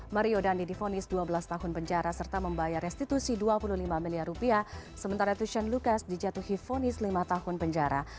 mario dandi difonis dua belas tahun penjara serta membayar restitusi dua puluh lima miliar rupiah sementara tushan lucas dijatuhi vonis lima tahun penjara